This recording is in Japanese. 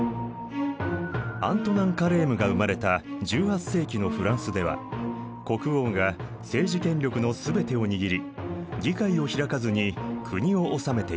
アントナン・カレームが生まれた１８世紀のフランスでは国王が政治権力のすべてを握り議会を開かずに国を治めていた。